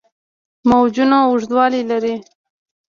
موجونه اوږدوالي لري.